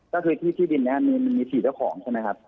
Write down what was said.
ก็คือที่ดินนี้มี๔เจ้าของใช่ไหมครับ